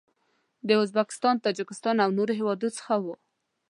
له ازبکستان، تاجکستان او نورو هیوادو څخه و.